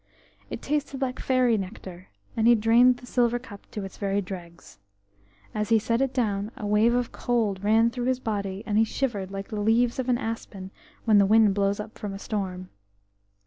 It tasted like fairy nectar, and he drained the silver cup to its very dregs. As he set it down a wave of cold ran through his body, and he shivered like the leaves of an aspen when the wind blows up for a storm....